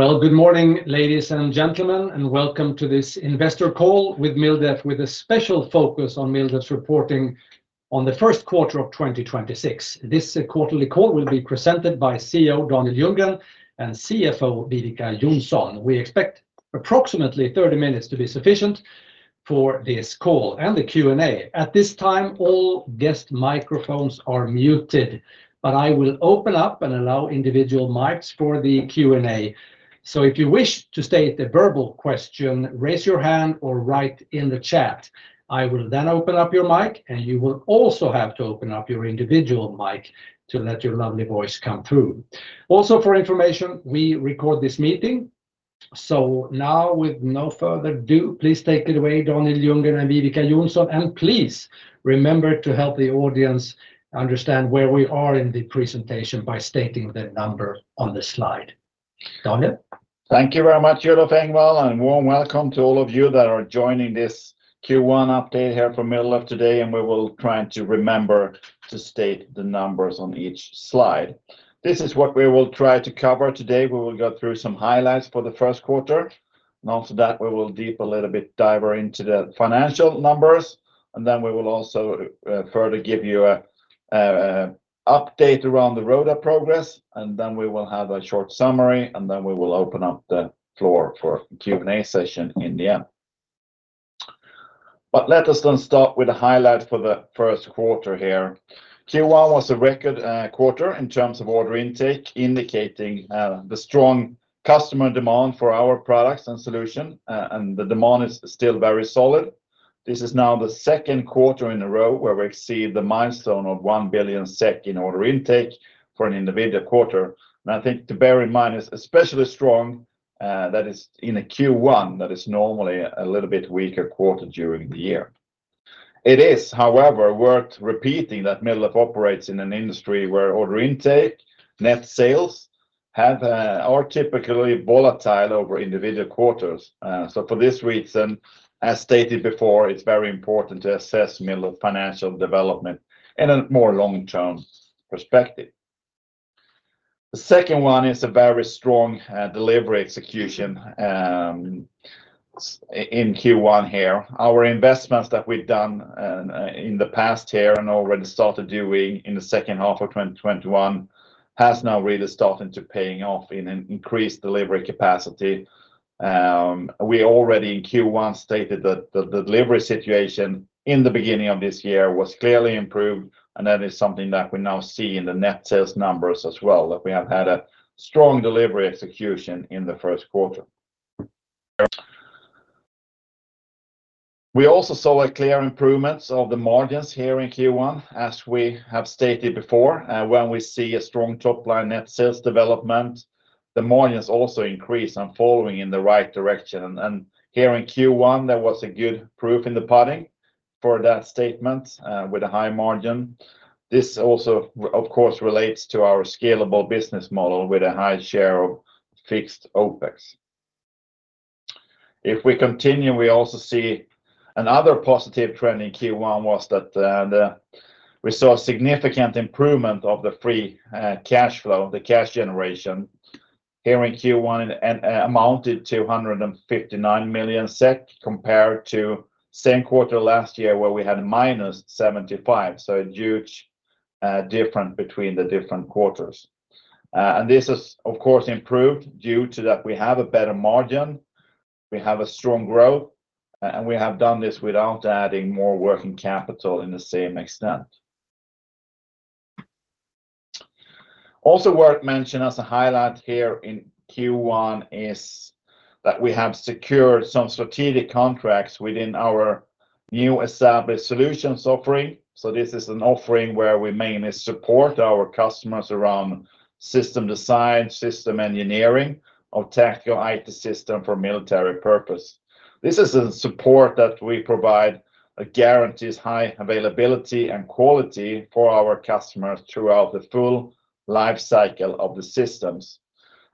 Well, good morning, ladies and gentlemen, and welcome to this investor call with MilDef, with a special focus on MilDef's reporting on the first quarter of 2026. This quarterly call will be presented by CEO Daniel Ljunggren and CFO Viveca Johnsson. We expect approximately 30 minutes to be sufficient for this call and the Q&A. At this time, all guest microphones are muted, but I will open up and allow individual mics for the Q&A. If you wish to state a verbal question, raise your hand or write in the chat. I will then open up your mic, and you will also have to open up your individual mic to let your lovely voice come through. Also, for information, we record this meeting. Now, with no further ado, please take it away, Daniel Ljunggren and Viveca Johnsson. Please remember to help the audience understand where we are in the presentation by stating the number on the slide. Daniel? Thank you very much, Olof Engvall, and a warm welcome to all of you that are joining this Q1 update here from MilDef today. We will try to remember to state the numbers on each slide. This is what we will try to cover today. We will go through some highlights for the first quarter, and after that, we will dive into the financial numbers, and then we will also further give you an update around the road map progress, and then we will have a short summary, and then we will open up the floor for a Q&A session in the end. Let us then start with the highlights for the first quarter here. Q1 was a record quarter in terms of order intake, indicating the strong customer demand for our products and solution, and the demand is still very solid. This is now the second quarter in a row where we exceed the milestone of 1 billion SEK in order intake for an individual quarter. I think to bear in mind it's especially strong, that is, in a Q1 that is normally a little bit weaker quarter during the year. It is, however, worth repeating that MilDef operates in an industry where order intake, net sales, are typically volatile over individual quarters. For this reason, as stated before, it's very important to assess MilDef financial development in a more long-term perspective. The second one is a very strong delivery execution in Q1 here. Our investments that we've done in the past here and already started doing in the second half of 2021 has now really started to paying off in an increased delivery capacity. We already in Q1 stated that the delivery situation in the beginning of this year was clearly improved, and that is something that we now see in the net sales numbers as well, that we have had a strong delivery execution in the first quarter. We also saw a clear improvement of the margins here in Q1. As we have stated before, when we see a strong top-line net sales development, the margins also increase and following in the right direction. Here in Q1, that was a good proof in the pudding for that statement with a high margin. This also, of course, relates to our scalable business model with a high share of fixed OPEX. If we continue, we also see another positive trend in Q1 was that we saw a significant improvement of the free cash flow. The cash generation here in Q1 amounted to 159 million SEK compared to same quarter last year, where we had -75 million. A huge difference between the different quarters. This is, of course, improved due to that we have a better margin, we have a strong growth, and we have done this without adding more working capital in the same extent. Also worth mentioning as a highlight here in Q1 is that we have secured some strategic contracts within our new established solutions offering. This is an offering where we mainly support our customers around system design, system engineering of technical IT system for military purpose. This is a support that we provide that guarantees high availability and quality for our customers throughout the full life cycle of the systems.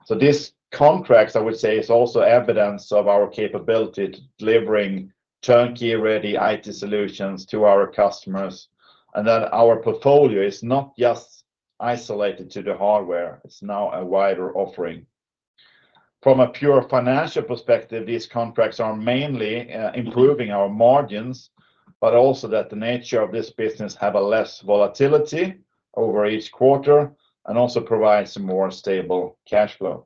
This contract, I would say, is also evidence of our capability to delivering turnkey-ready IT solutions to our customers, and that our portfolio is not just isolated to the hardware, it's now a wider offering. From a pure financial perspective, these contracts are mainly improving our margins, but also that the nature of this business have a less volatility over each quarter and also provides a more stable cash flow.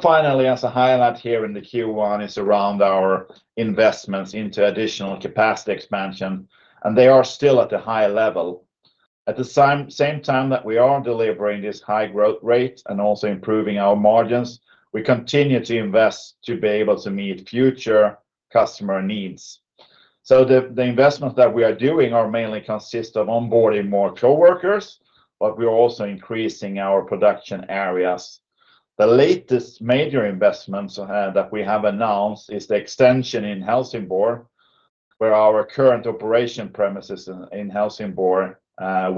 Finally, as a highlight here in the Q1 is around our investments into additional capacity expansion, and they are still at a high level. At the same time that we are delivering this high growth rate and also improving our margins, we continue to invest to be able to meet future customer needs. The investments that we are doing are mainly consist of onboarding more coworkers, but we are also increasing our production areas. The latest major investments that we have announced is the extension in Helsingborg, where our current operating premises in Helsingborg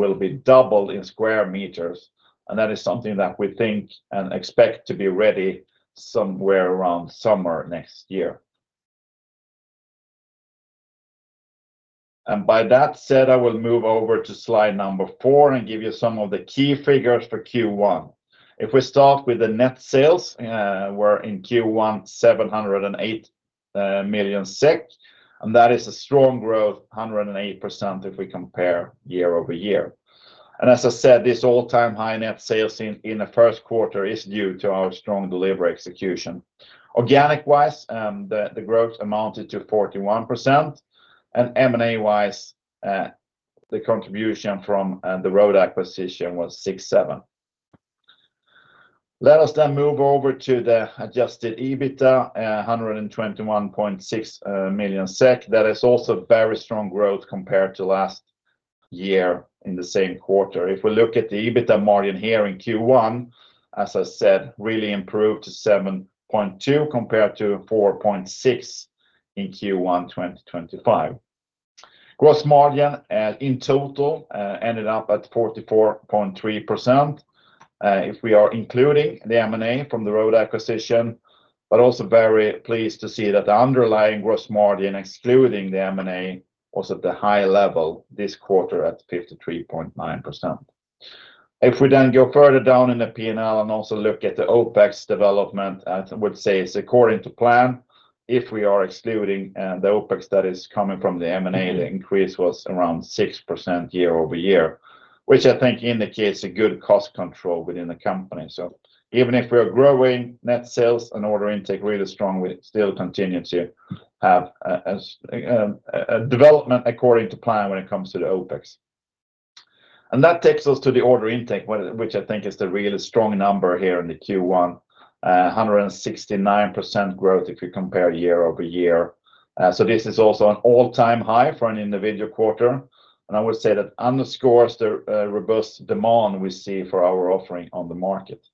will be doubled in square meters. That is something that we think and expect to be ready somewhere around summer next year. With that said, I will move over to slide number 4 and give you some of the key figures for Q1. If we start with the net sales, we're in Q1 708 million SEK, and that is a strong growth, 108% if we compare year-over-year. As I said, this all-time high net sales in the first quarter is due to our strong delivery execution. Organic-wise, the growth amounted to 41%, and M&A-wise, the contribution from the roda acquisition was 67%. Let us then move over to the Adjusted EBITDA, 121.6 million SEK. That is also very strong growth compared to last year in the same quarter. If we look at the EBITDA margin here in Q1, as I said, really improved to 7.2% compared to 4.6% in Q1 2025. Gross margin in total ended up at 44.3%. If we are including the M&A from the roda acquisition, but also very pleased to see that the underlying gross margin, excluding the M&A, was at the high level this quarter at 53.9%. If we then go further down in the P&L and also look at the OpEx development, I would say it's according to plan. If we are excluding the OpEx that is coming from the M&A, the increase was around 6% year-over-year, which I think indicates a good cost control within the company. Even if we are growing net sales and order intake really strong, we still continue to have a development according to plan when it comes to the OpEx. That takes us to the order intake, which I think is the really strong number here in the Q1, 169% growth if you compare year-over-year. This is also an all-time high for an individual quarter. I would say that underscores the robust demand we see for our offering on the market.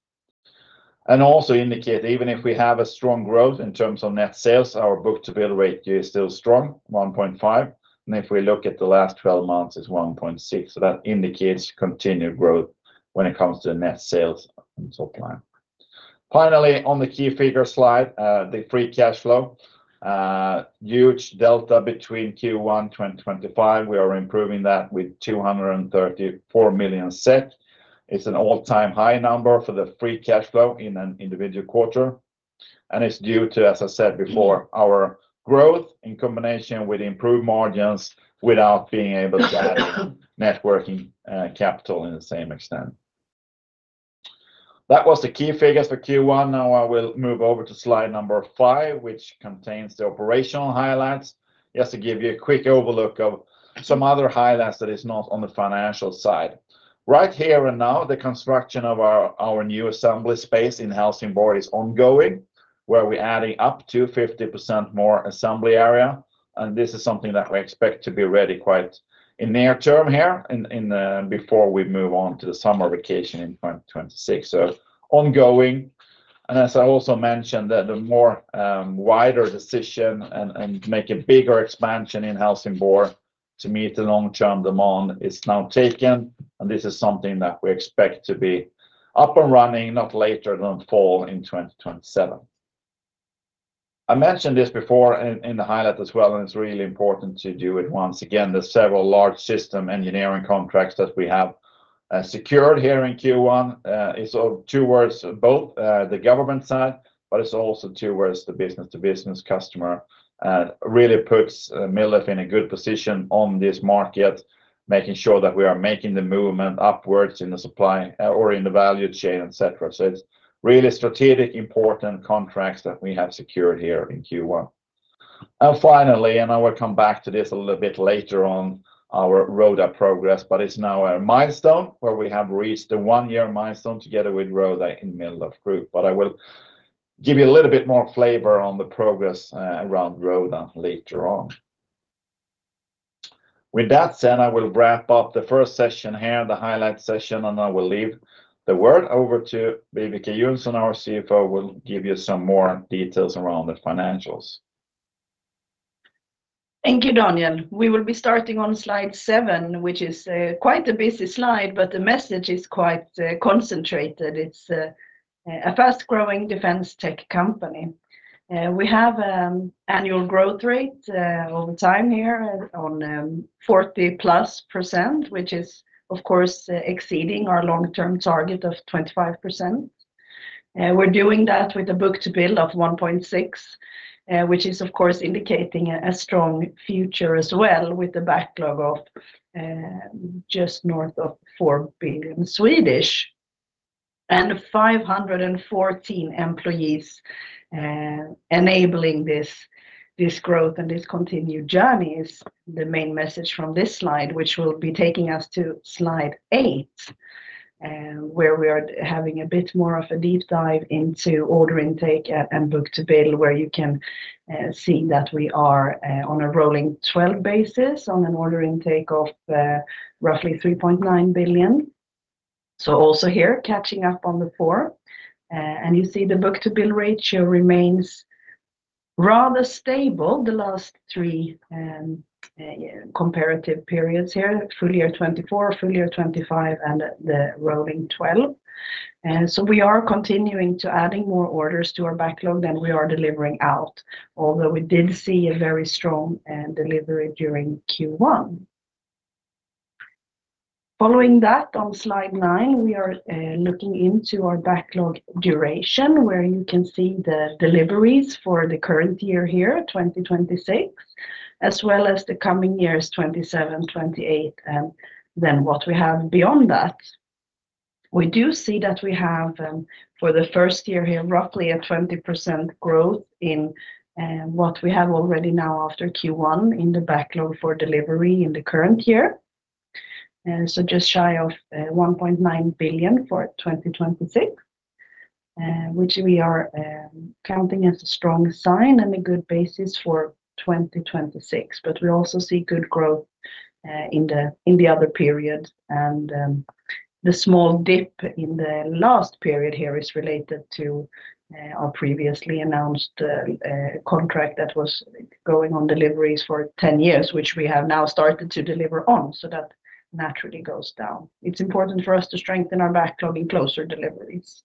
Also indicate even if we have a strong growth in terms of net sales, our book-to-bill rate is still strong, 1.5, and if we look at the last 12 months, it's 1.6. That indicates continued growth when it comes to net sales and so on. Finally, on the key figure slide, the free cash flow, huge delta between Q1 2025. We are improving that with 234 million. It's an all-time high number for the free cash flow in an individual quarter. It's due to, as I said before, our growth in combination with improved margins without being able to add working capital in the same extent. That was the key figures for Q1. Now I will move over to slide number five, which contains the operational highlights. Just to give you a quick overview of some other highlights that is not on the financial side. Right here and now, the construction of our new assembly space in Helsingborg is ongoing, where we're adding up to 50% more assembly area. This is something that we expect to be ready in the near term here before we move on to the summer vacation in 2026. Ongoing. As I also mentioned that a more wider decision to make a bigger expansion in Helsingborg to meet the long-term demand is now taken, and this is something that we expect to be up and running not later than fall in 2027. I mentioned this before in the highlight as well, and it's really important to do it once again. There's several large system engineering contracts that we have secured here in Q1. It's towards both the government side, but it's also towards the business-to-business customer. Really puts MilDef in a good position on this market, making sure that we are making the movement upwards in the supply or in the value chain, et cetera. It's really strategic, important contracts that we have secured here in Q1. Finally, I will come back to this a little bit later on our roda progress, but it's now a milestone where we have reached a one-year milestone together with roda in MilDef Group. I will give you a little bit more flavor on the progress around roda later on. With that said, I will wrap up the first session here, the highlight session, and I will leave the word over to Viveca Johnsson, our CFO, will give you some more details around the financials. Thank you, Daniel. We will be starting on slide 7, which is quite a busy slide, but the message is quite concentrated. It's a fast-growing defense tech company. We have annual growth rate over time here of 40+%, which is, of course, exceeding our long-term target of 25%. We're doing that with a book-to-bill of 1.6, which is, of course, indicating a strong future as well with the backlog of just north of 4 billion. 514 employees enabling this growth and this continued journey is the main message from this slide, which will be taking us to slide 8, where we are having a bit more of a deep dive into order intake and book-to-bill, where you can see that we are on a rolling 12 basis on an order intake of roughly 3.9 billion. Also here, catching up on the four. You see the book-to-bill ratio remains rather stable the last three comparative periods here, full year 2024, full year 2025, and the rolling 12. We are continuing to adding more orders to our backlog than we are delivering out, although we did see a very strong delivery during Q1. Following that on slide 9, we are looking into our backlog duration, where you can see the deliveries for the current year here, 2026, as well as the coming years 2027, 2028, and then what we have beyond that. We do see that we have, for the first year here, roughly a 20% growth in what we have already now after Q1 in the backlog for delivery in the current year. Just shy of 1.9 billion for 2026, which we are counting as a strong sign and a good basis for 2026. We also see good growth in the other period. The small dip in the last period here is related to our previously announced contract that was going on deliveries for 10 years, which we have now started to deliver on. That naturally goes down. It's important for us to strengthen our backlog in closer deliveries.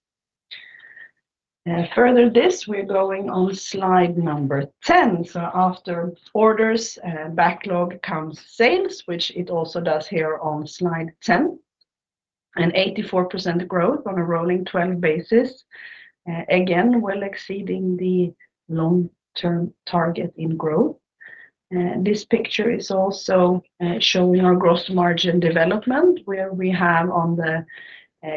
Furthermore, we're going on slide number 10. After orders, backlog comes sales, which it also does here on slide 10. An 84% growth on a rolling 12 basis. Again, well exceeding the long-term target in growth. This picture is also showing our gross margin development, where we have on the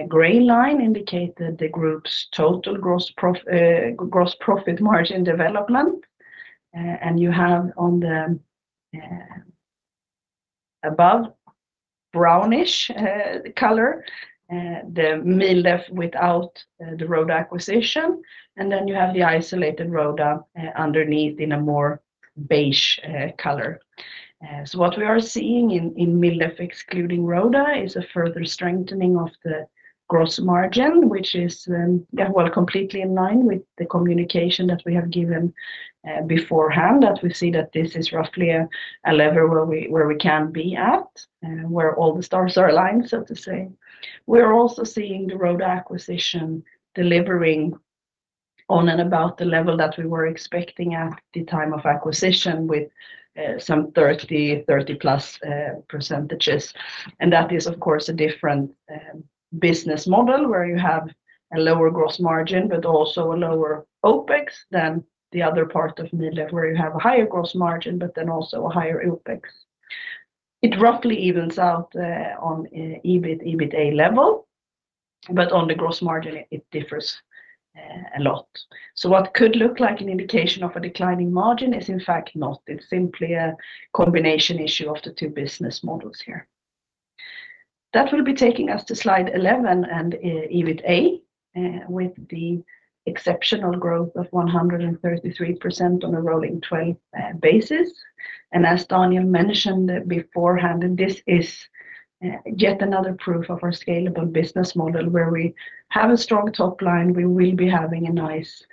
gray line indicated the group's total gross profit margin development. You have on the above brownish color, the MilDef without the roda acquisition. Then you have the isolated roda underneath in a more beige color. What we are seeing in MilDef excluding roda is a further strengthening of the gross margin, which is completely in line with the communication that we have given beforehand, that we see that this is roughly a level where we can be at, where all the stars are aligned, so to say. We're also seeing the roda acquisition delivering on and about the level that we were expecting at the time of acquisition with some 30+ percentages. That is of course a different business model, where you have a lower gross margin, but also a lower OpEx than the other part of MilDef where you have a higher gross margin, but then also a higher OpEx. It roughly evens out on EBIT, EBITA level, but on the gross margin, it differs a lot. What could look like an indication of a declining margin is in fact not. It's simply a combination issue of the two business models here. That will be taking us to slide 11 and EBITA, with the exceptional growth of 133% on a rolling 12 basis. As Daniel mentioned beforehand, this is yet another proof of our scalable business model where we have a strong top line. We will be having a nice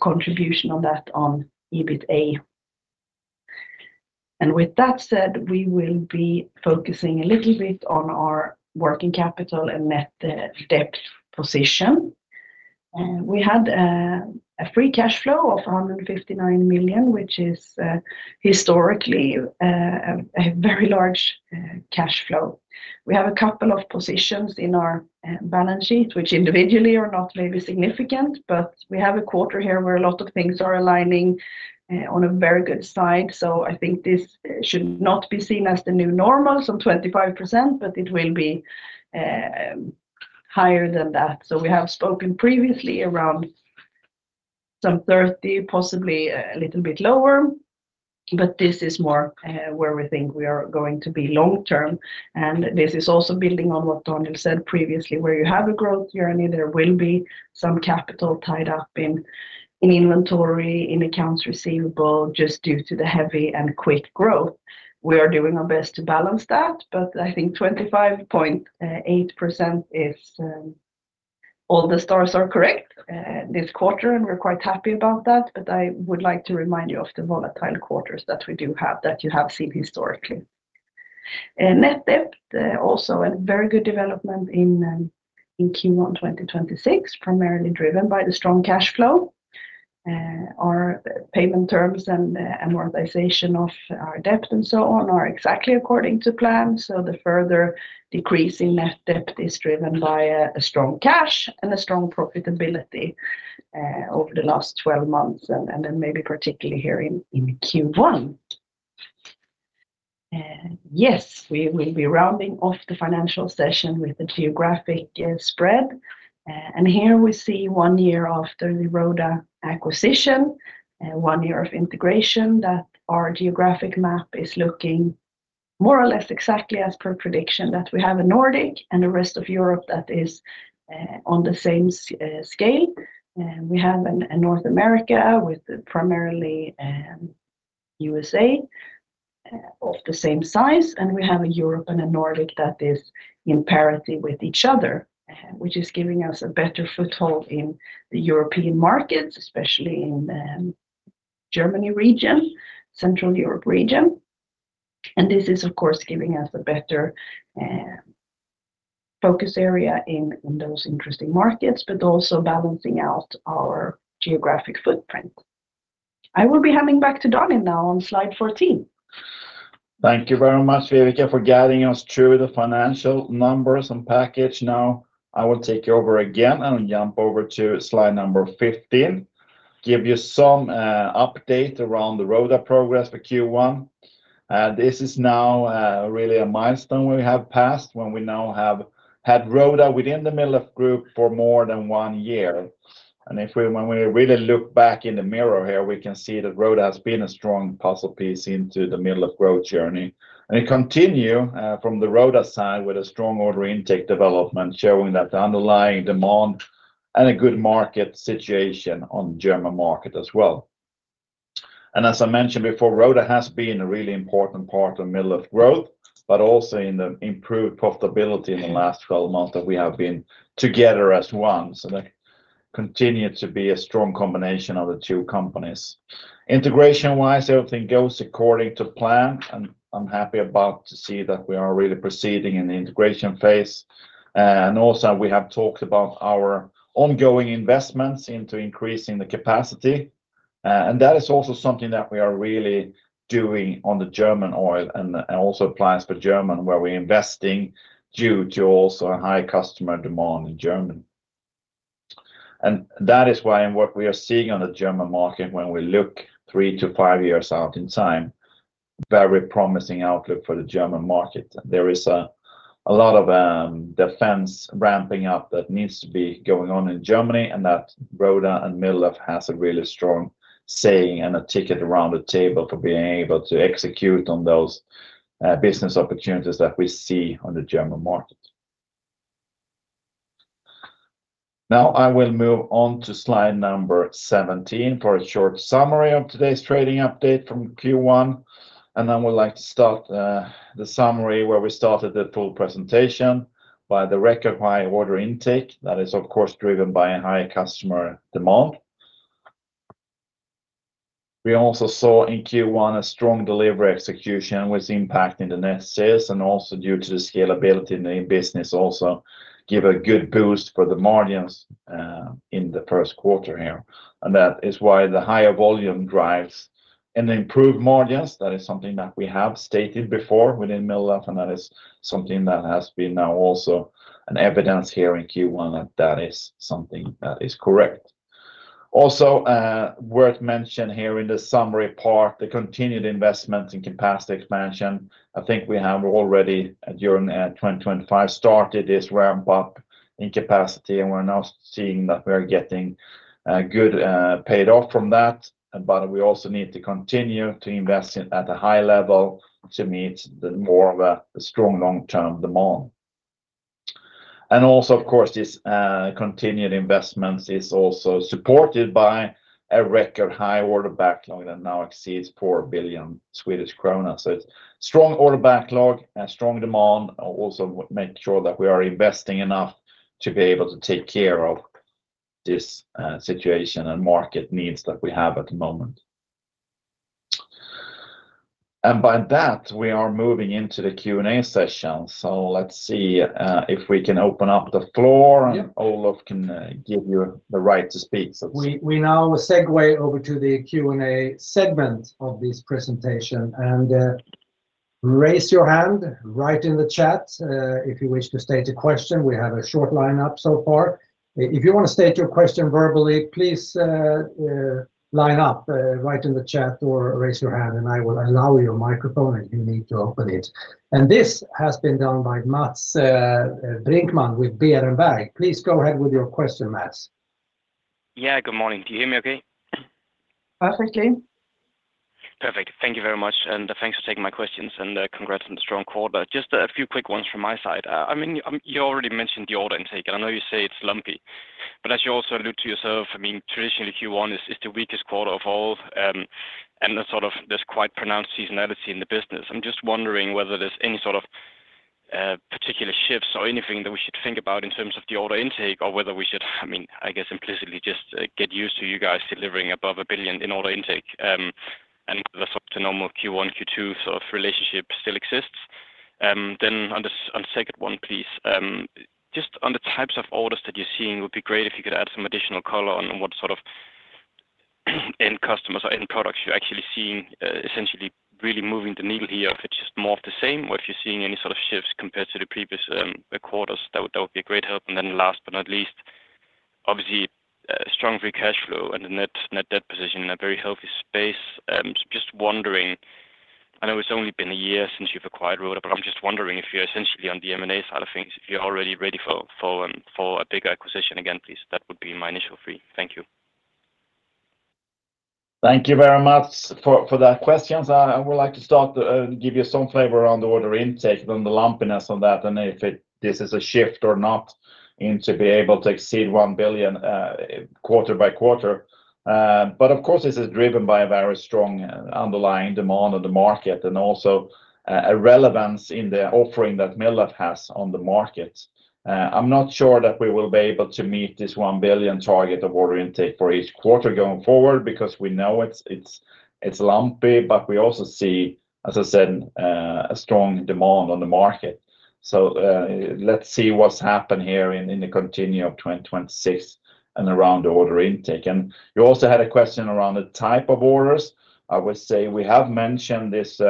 contribution on that on EBITA. With that said, we will be focusing a little bit on our working capital and net debt position. We had a free cash flow of 159 million, which is historically a very large cash flow. We have a couple of positions in our balance sheet, which individually are not maybe significant, but we have a quarter here where a lot of things are aligning on a very good side. I think this should not be seen as the new normal, 25%, but it will be higher than that. We have spoken previously around 30%, possibly a little bit lower, but this is more where we think we are going to be long-term. This is also building on what Daniel said previously, where you have a growth journey, there will be some capital tied up in inventory, in accounts receivable, just due to the heavy and quick growth. We are doing our best to balance that, but I think 25.8% is, all things considered, correct this quarter, and we're quite happy about that. I would like to remind you of the volatile quarters that we do have that you have seen historically. Net debt also a very good development in Q1 2026, primarily driven by the strong cash flow. Our payment terms and amortization of our debt and so on are exactly according to plan. The further decrease in net debt is driven by a strong cash and a strong profitability over the last 12 months, and then maybe particularly here in Q1. Yes, we will be rounding off the financial session with the geographic spread. Here we see one year after the roda acquisition, one year of integration, that our geographic map is looking more or less exactly as per prediction. That we have a Nordic and the rest of Europe that is on the same scale. We have a North America with primarily USA of the same size, and we have a Europe and a Nordic that is in parity with each other, which is giving us a better foothold in the European markets, especially in Germany region, Central Europe region. This is, of course, giving us a better focus area in those interesting markets, but also balancing out our geographic footprint. I will be handing back to Daniel now on slide 14. Thank you very much, Viveca, for guiding us through the financial numbers and package. Now I will take over again and jump over to slide number 15, give you some update around the roda progress for Q1. This is now really a milestone we have passed when we now have had roda within the MilDef Group for more than one year. When we really look back in the mirror here, we can see that roda has been a strong puzzle piece into the MilDef growth journey. It continue from the roda side with a strong order intake development, showing that the underlying demand and a good market situation on German market as well. As I mentioned before, roda has been a really important part of MilDef growth, but also in the improved profitability in the last 12 months that we have been together as one. That continues to be a strong combination of the two companies. Integration-wise, everything goes according to plan, and I'm happy to see that we are really proceeding in the integration phase. Also we have talked about our ongoing investments into increasing the capacity. That is also something that we are really doing on the German side and it also applies to Germany, where we're investing due to a high customer demand in Germany. That is why what we are seeing on the German market when we look 3-5 years out in time is a very promising outlook for the German market. There is a lot of defense ramping up that needs to be going on in Germany and that roda and MilDef has a really strong say and a ticket around the table for being able to execute on those business opportunities that we see on the German market. Now I will move on to slide number 17 for a short summary of today's trading update from Q1. I would like to start the summary where we started the full presentation by the record high order intake that is of course, driven by a high customer demand. We also saw in Q1 a strong delivery execution was impacting the net sales and also due to the scalability in the business, also give a good boost for the margins in the first quarter here. That is why the higher volume drives an improved margins. That is something that we have stated before within MilDef, and that is something that has been now also evidence here in Q1 that is something that is correct. Worth mention here in the summary part, the continued investment in capacity expansion. I think we have already during 2025 started this ramp up in capacity and we're now seeing that we are getting good payoff from that. We also need to continue to invest at a high level to meet more of a strong long-term demand. Also of course, this continued investments is also supported by a record high order backlog that now exceeds 4 billion Swedish krona. It's strong order backlog and strong demand. We also make sure that we are investing enough to be able to take care of this situation and market needs that we have at the moment. By that, we are moving into the Q&A session. Let's see if we can open up the floor and Olof can give you the right to speak. We now segue over to the Q&A segment of this presentation and raise your hand, write in the chat if you wish to state a question. We have a short line up so far. If you want to state your question verbally, please line up, write in the chat, or raise your hand and I will allow your microphone if you need to open it. This has been done by Mads Brinkmann with Berenberg. Please go ahead with your question, Mads. Yeah. Good morning. Can you hear me okay? Perfectly. Perfect. Thank you very much and thanks for taking my questions and congrats on the strong quarter. Just a few quick ones from my side. You already mentioned the order intake, and I know you say it's lumpy, but as you also allude to yourself, traditionally Q1 is the weakest quarter of all, and there's quite pronounced seasonality in the business. I'm just wondering whether there's any sort of particular shifts or anything that we should think about in terms of the order intake or whether we should, I guess implicitly just get used to you guys delivering above 1 billion in order intake, and the sort of normal Q1, Q2 sort of relationship still exists. On the second one, please, just on the types of orders that you're seeing, would be great if you could add some additional color on what sort of end customers or end products you're actually seeing, essentially really moving the needle here, if it's just more of the same or if you're seeing any sort of shifts compared to the previous quarters, that would be a great help. Last but not least, obviously strong free cash flow and the net debt position in a very healthy space. Just wondering, I know it's only been a year since you've acquired roda, but I'm just wondering if you're essentially on the M&A side of things, if you're already ready for a bigger acquisition again, please, that would be my initial three. Thank you. Thank you very much for that question. I would like to start to give you some flavor on the order intake, then the lumpiness on that, and if this is a shift or not into be able to exceed 1 billion quarter by quarter. Of course, this is driven by a very strong underlying demand on the market, and also a relevance in the offering that MilDef has on the market. I'm not sure that we will be able to meet this 1 billion target of order intake for each quarter going forward because we know it's lumpy, but we also see, as I said, a strong demand on the market. Let's see what's happened here in the continue of 2026 and around order intake. You also had a question around the type of orders. I would say we have mentioned this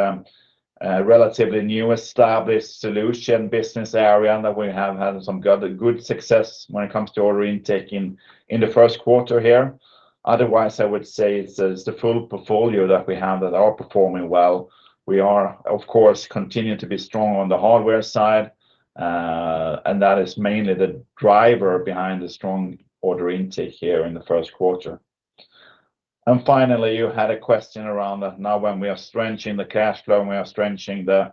relatively new established solution business area that we have had some good success when it comes to order intake in the first quarter here. Otherwise, I would say it's the full portfolio that we have that are performing well. We are, of course, continuing to be strong on the hardware side. That is mainly the driver behind the strong order intake here in the first quarter. Finally, you had a question around that now when we are strengthening the cash flow, and we are strengthening the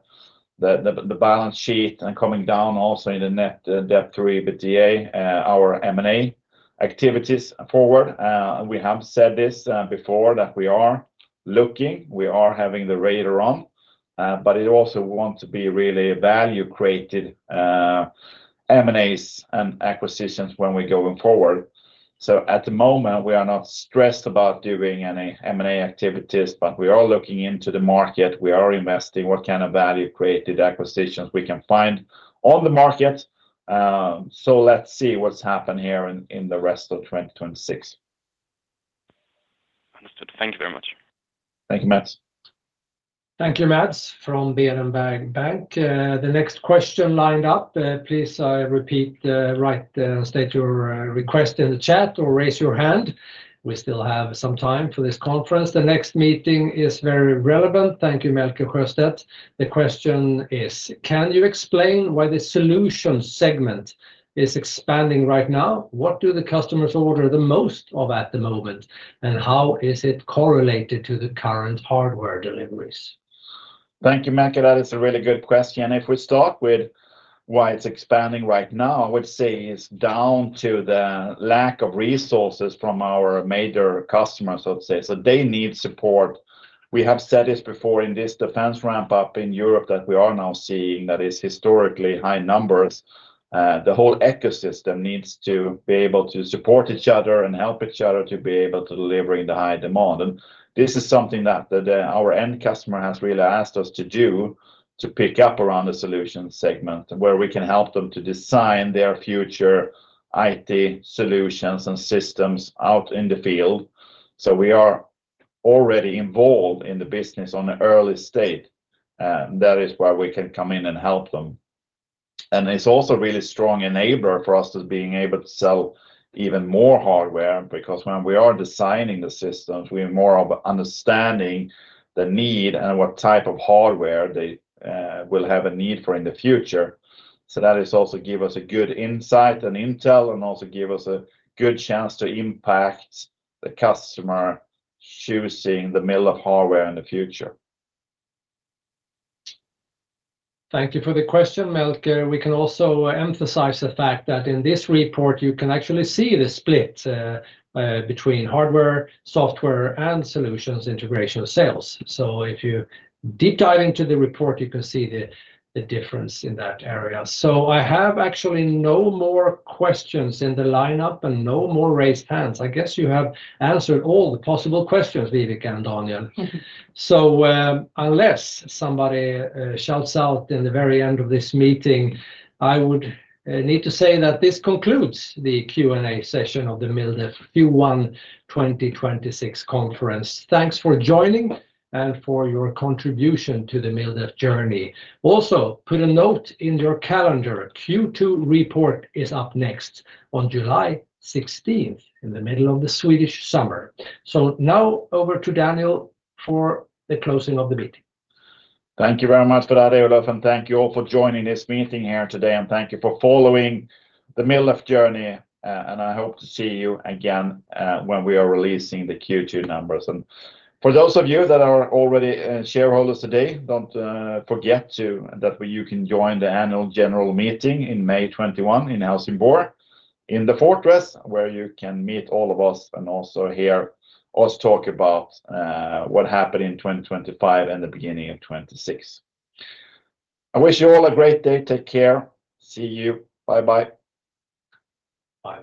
balance sheet, and coming down also in the net debt to EBITDA our M&A activities forward. We have said this before that we are looking, we are having the radar on. It also want to be really value-created M&As and acquisitions when we're going forward. At the moment, we are not stressed about doing any M&A activities, but we are looking into the market. We are investigating what kind of value-creating acquisitions we can find on the market. Let's see what's happened here in the rest of 2026. Understood. Thank you very much. Thank you, Mads. Thank you, Mads, from Berenberg. The next question lined up. Please repeat, state your request in the chat or raise your hand. We still have some time for this conference. The next meeting is very relevant. Thank you, Melker Sjöstedt. The question is: Can you explain why the solutions segment is expanding right now? What do the customers order the most of at the moment, and how is it correlated to the current hardware deliveries? Thank you, Melker. That is a really good question. If we start with why it's expanding right now, I would say it's down to the lack of resources from our major customers, I would say. They need support. We have said this before in this defense ramp-up in Europe that we are now seeing that is historically high numbers. The whole ecosystem needs to be able to support each other and help each other to be able to deliver in the high demand. This is something that our end customer has really asked us to do to pick up around the solutions segment, where we can help them to design their future IT solutions and systems out in the field. We are already involved in the business on an early stage. That is where we can come in and help them. It's also a really strong enabler for us as being able to sell even more hardware, because when we are designing the systems, we are more of understanding the need and what type of hardware they will have a need for in the future. That has also given us a good insight and intel and also given us a good chance to impact the customer choosing the MilDef hardware in the future. Thank you for the question, Melker. We can also emphasize the fact that in this report, you can actually see the split between hardware, software, and solutions integration sales. If you deep dive into the report, you can see the difference in that area. I have actually no more questions in the lineup and no more raised hands. I guess you have answered all the possible questions, Viveca and Daniel. Unless somebody shouts out in the very end of this meeting, I would need to say that this concludes the Q&A session of the MilDef Q1 2026 conference. Thanks for joining and for your contribution to the MilDef journey. Also, put a note in your calendar. Q2 report is up next on July 16th, in the middle of the Swedish summer. Now over to Daniel for the closing of the meeting. Thank you very much for that, Olof, and thank you all for joining this meeting here today, and thank you for following the MilDef journey. I hope to see you again when we are releasing the Q2 numbers. For those of you that are already shareholders today, don't forget that you can join the annual general meeting in May 21 in Helsingborg in the fortress, where you can meet all of us and also hear us talk about what happened in 2025 and the beginning of 2026. I wish you all a great day. Take care. See you. Bye-bye. Bye.